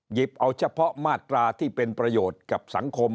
หยิบเอาเฉพาะมาตราที่เป็นประโยชน์กับสังคม